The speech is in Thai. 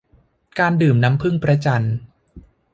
การดื่มน้ำผึ้งพระจันทร์